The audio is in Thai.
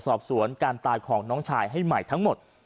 สอบสวนการตายของน้องชายให้ใหม่ทั้งหมด